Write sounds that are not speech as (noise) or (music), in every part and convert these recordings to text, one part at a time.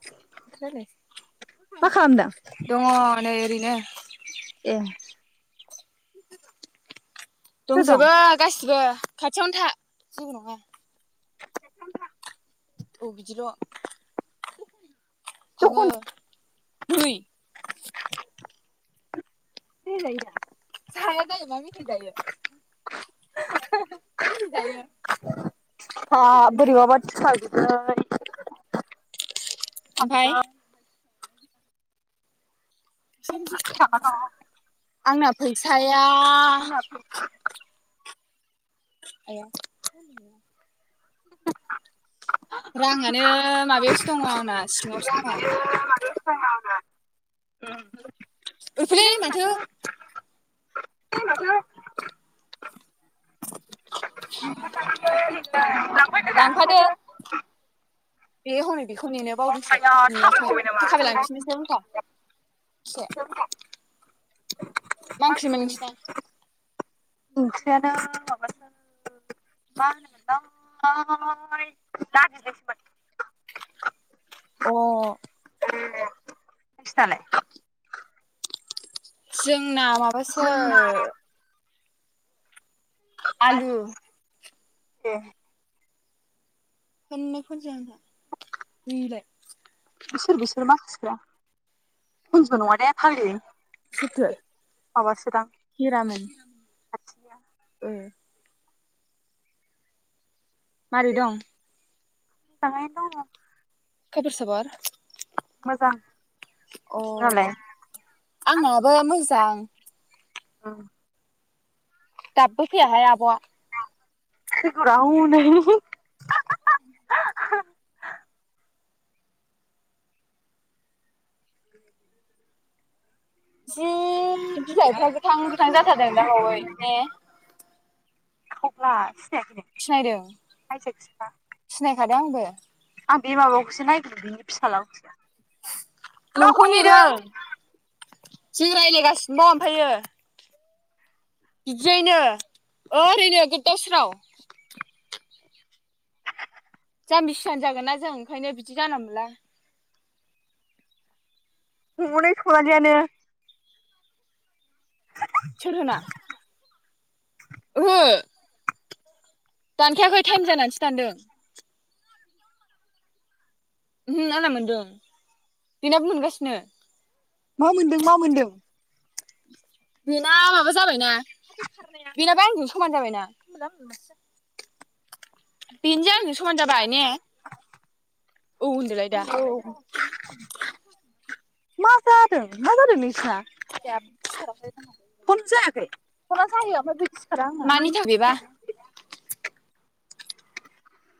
(unintelligible) मा खालामदों? दङ नै ओरैनो ए (inaudible) सोर दं दंजोबो गासिबो खाथियावनो था जेबो नङा औ बिदिल' थाङो दखान नै जाया जायो माबि मेथाइ जायो मा मेथाइ जायो हा बोरैबाबा थिखा लै ओमफाय (inaudible) आंना फैसाय दा आया राङानो माबायावसो दङ आंना सिङावसो दङ (unintelligible) ओरै फैलै माथो लांफादो लांफैदो बे हनै बेखौ नेनो दा बावदोंसो आया नेयाखै थाबायगबाय नामा? थाबायलांफिनोसै होनबा एसे मा ओंख्रिमोन नोंसना ओंख्रियानो माबासो मा होनोमोन (unintelligible) अ (unintelligible) फिथाइ जोंना माबासो आलु ए। (inaudible) बे सोर बिसोर माखासेफ्रा? खनजु नङा दे फाग्लि। सोरथो? माबासोदां हिरामोन। खाथिनिया ए। मारै दं? मोजाङैनो दङ। खबर सबर? मोजां। अ, नोंनालाय? आंनाबो मोजां। (inaudible) ओं। दाबबो फैयाहाय आब'आ। (inaudible) (inaudible) जि बिलायफ्रा गोथां गोथां जाथारदों दा बावै ने। थख्लास सिनायदों (inaudible) दांबो आं बे माबाखौसो नायगिरो बिनि फिसालाखौसो। गाव नोंखौ खननैदों नेदों। जों रायलायगासिनोबा ओमफायो। बिदियैनो ओरैनो गोदाव सोराव। जामबि सियान जागोन ना जों ओंखायनो बिदि जाना मोनला हनेै सनालिआनो सोर होना? ओहो। दानखायाखै टाइम जानानैसो दान्दों। उमहो आंना मोन्दों बिनाबो मोनगासिनो। मा मोन्दों मा मोन्दों? बेना माबा जाबायना बेनाबो आंजों समान जाबायना। बेनिजों आंजों समान जाबाय ने? औ होन्दोलाय दा। औ मा जादों मा जादों नोंसिना? (inaudible) फन जायाखै फना जायो ओमफ्राय ‌बै सिखारा आंना। मानि थाखाय बेबा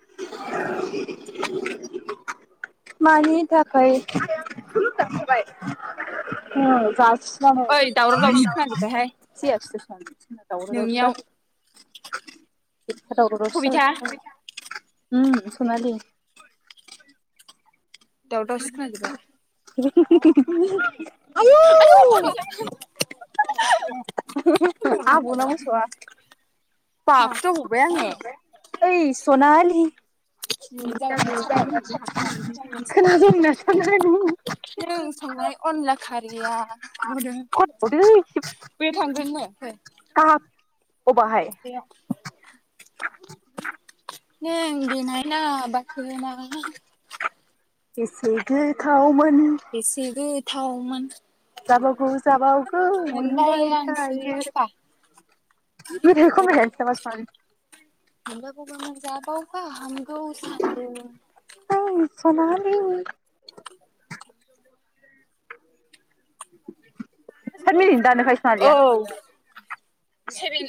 मानि थाखाय? (unintelligible) उम जा (unintelligible) दावराव‌ ओइ दावराव दावसि खोनाजोब्बायहाय जादों। नोंनियाव एफ्फा दावराव ‌दावसि कबिथा जायो। उम सनालि‌। दावराव-दावसि खोनाजोबबाय। (unintelligible) आय' फाग्ला। आबौ ना मोसौआ। बाखुदावबावबाय आङो। ओइ सनालि। खोनादोंना सनालि (unintelligible) नों संनाय अनला खारैया खनबावदो (unintelligible) बैयाव थांगोरनो। गाब अबाहाय नों देनाय ना बा (unintelligible) बेसे गोथावमोन बेसे गोथावमोन जाबावगौ जाबावगौ मोनबाय मोनलायलांसै थायो बा मेथाइखौ खननो हायासै नामा (unintelligible) मोनजागबा मोनजाबावबा हाम गौ सानदों । ओइ सनालि सात मिनिटनि दानोखायो औ सेरेन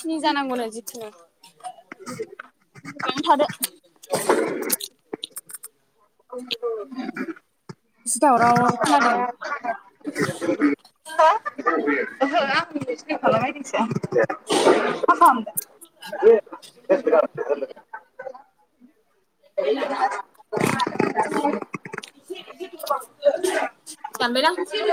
स्नि जानांगौनो जिखुनु बावनो थादो। (unintelligible) जि दावराव ओहो खोनादों आंनि नोंसिनि हरना नायदोंसो। मा खालामदो? दानबायदां।